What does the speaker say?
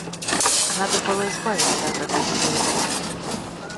Надо было избавиться от этой силы.